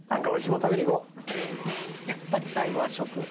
「やっぱり最後は食」